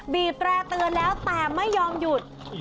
บีบแตร่เตือนแล้วแต่ไม่ยอมหยุด